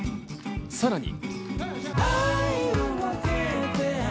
さらに。